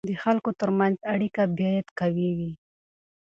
د خلکو ترمنځ اړیکه باید قوي وي.